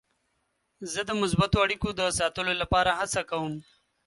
زه د مثبتو اړیکو د ساتلو لپاره هڅه کوم.